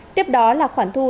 tiếp đó là khoản thu